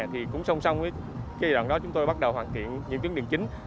thì cũng song song với cái đoạn đó chúng tôi bắt đầu hoàn thiện những tuyến đường chính